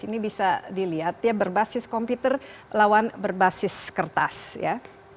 ini bisa dilihat ya berbasis komputer lawan berbasis kertas ya